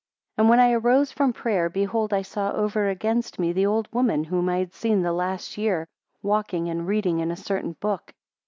3 And when I arose from prayer, behold I saw over against me the old woman whom I had seen the last year, walking and reading in a certain book.